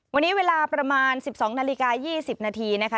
วันนี้เวลาประมาณ๑๒นาฬิกา๒๐นาทีนะคะ